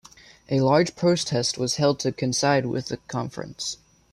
A large protest was held to coincide with the conference.